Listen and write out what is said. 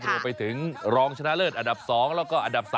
รวมไปถึงรองชนะเลิศอันดับ๒แล้วก็อันดับ๓